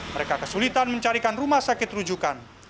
mereka kesulitan mencarikan rumah sakit rujukan